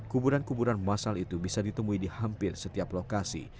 kuburan kuburan masal itu bisa ditemui di hampir setiap lokasi